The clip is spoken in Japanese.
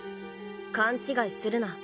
勘違いするな。